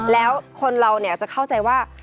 แล้วคนเราจะเข้าใจว่า